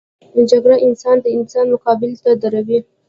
جګړه انسان د انسان مقابل ته دروي